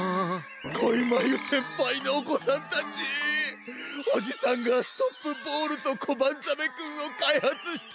こいまゆせんぱいのおこさんたちおじさんがストップボールとコバンザメくんをかいはつしたんだよ。